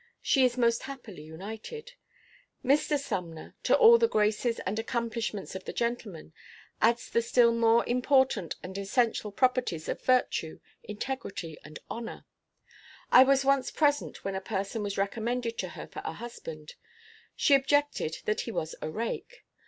She is most happily united. Mr. Sumner, to all the graces and accomplishments of the gentleman, adds the still more important and essential properties of virtue, integrity, and honor. I was once present when a person was recommended to her for a husband. She objected that he was a rake.